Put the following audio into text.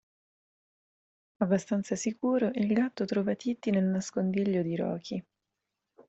Abbastanza sicuro, il gatto trova Titti nel nascondiglio di Rocky.